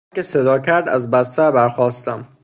زنگ که صدا کرد از بستر برخاستم.